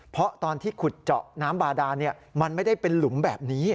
เพราะตอนที่ขุดเจาะน้ำบาดานมันไม่ได้เป็นหลุมแบบนี้